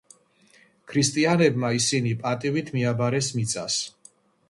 ქრისტიანებმა ისინი პატივით მიაბარეს მიწას.